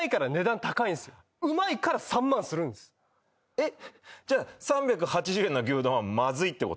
えっ？